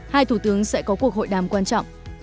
hai thủ tướng sẽ có cuộc hội đàm quan trọng